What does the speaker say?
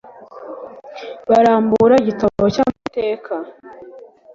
barambura igitabo cy'amategeko